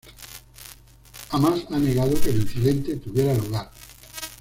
Hamás ha negado que el incidente tuviera lugar.